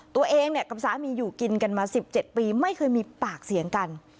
ตัวเองกับสามีอยู่กินกันมา๑๗ปีไม่เคยมีปากเสียงกัน